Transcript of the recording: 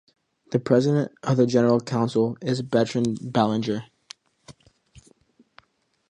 The President of the General Council is Bertrand Bellanger.